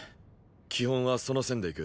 基本はその線でいく。